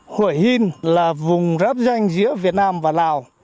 hội hìn là vùng ráp danh giữa việt nam và lào